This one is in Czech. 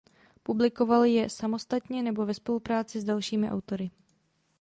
Publikoval je samostatně nebo ve spolupráci s dalšími autory.